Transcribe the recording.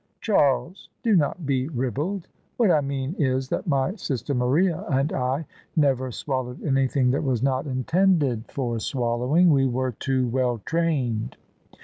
"" Charles, do not be ribald. What I mean is that my sister Maria and I never swallowed anything that was not intended for swallowing: we were too well trained."